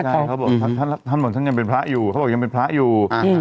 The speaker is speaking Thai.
ใช่เขาบอกท่านบอกท่านยังเป็นพระอยู่เขาบอกยังเป็นพระอยู่